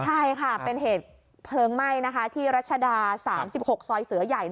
ใช่ค่ะเป็นเหตุเพลิงไหม้ที่รัชดา๓๖ซอยเสือใหญ่